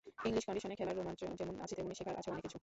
English কন্ডিশনে খেলার রোমাঞ্চ যেমন আছে, তেমনি শেখার আছে অনেক কিছু।